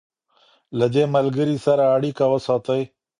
له دې ملګري سره اړیکه وساتئ.